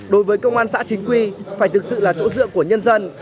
đối với công an xã chính quy phải thực sự là chỗ dựa của nhân dân